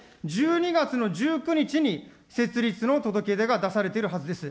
１２月の１９日に設立の届け出が出されているはずです。